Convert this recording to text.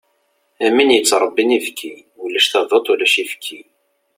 Am win yettṛebbin ibki, ulac taduḍt, ulac ifki.